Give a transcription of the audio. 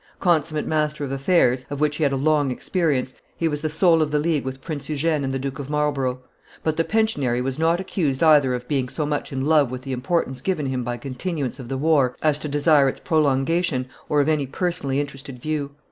Consummate master of affairs, of which he had a long experience, he was the soul of the league with Prince Eugene and the Duke of Marlborough; but the pensionary was not accused either of being so much in love with the importance given him by continuance of the war as to desire its prolongation or of any personally interested view.